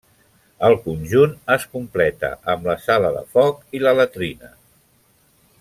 El conjunt es completa amb la sala de foc i la latrina.